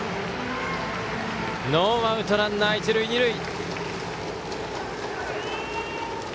ノーアウトランナー、一塁二塁。